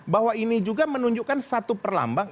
bahwa ini juga menunjukkan satu perlambang